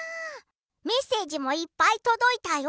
メッセージもいっぱい届いたよ。